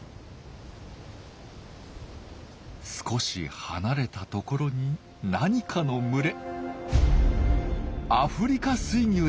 少し離れたところに何かの群れ。